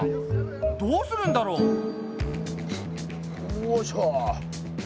どうするんだろう？よいしょ。